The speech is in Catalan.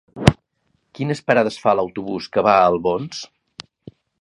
Quines parades fa l'autobús que va a Albons?